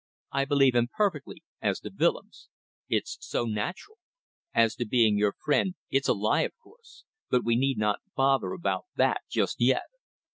I believe him perfectly, as to Willems. It's so natural. As to being your friend it's a lie of course, but we need not bother about that just yet.